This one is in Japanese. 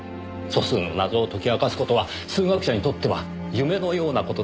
素数の謎を解き明かす事は数学者にとっては夢のような事だそうですねぇ。